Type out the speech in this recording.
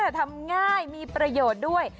ทำง่ายมีประโยชน์ด้วย